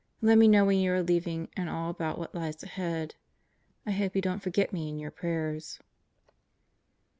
... Let me know when you are leaving and all about what lies ahead. I hope you don't forget me in your prayers.